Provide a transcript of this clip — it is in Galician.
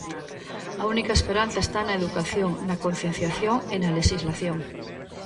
A única esperanza está na educación, na concienciación e na lexislación.